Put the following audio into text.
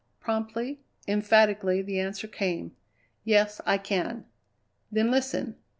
Promptly, emphatically, the answer came. "Yes, I can." "Then listen!